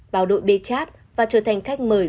bảo đội bê chát và trở thành khách mời